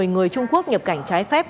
một mươi người trung quốc nhập cảnh trái phép